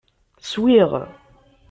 Swiɣ.